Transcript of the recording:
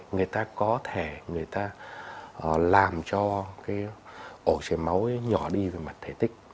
người ta có thể người ta làm cho cái ổ chảy máu nhỏ đi về mặt thể tích